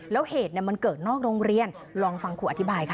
แล้วเหตุมันเกิดนอกโรงเรียนลองฟังครูอธิบายค่ะ